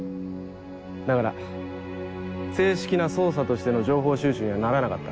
だから正式な捜査としての情報収集にはならなかった。